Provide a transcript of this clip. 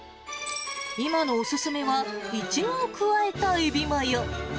今のお勧めは、イチゴを加えたエビマヨ。